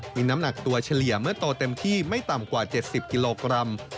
มีน้ำหนักตัวเฉลี่ยเมื่อโตเต็มที่ไม่ต่ำกว่า๗๐กิโลกรัม